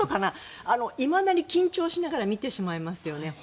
いまだに緊張しながら見てしまいますね。